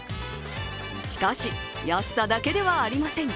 しかし、安さだけではありません。